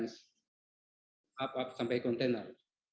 kemudian sampai kontainer